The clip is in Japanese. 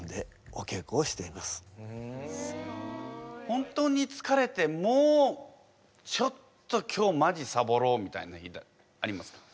本当につかれてもうちょっと今日まじサボろうみたいな日ってありますか？